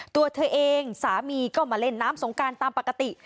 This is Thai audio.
ตัวเธอเองสามีก็มาเล่นน้ำสงการตามปกติ